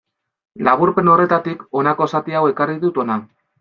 Laburpen horretatik honako zati hau ekarri dut hona.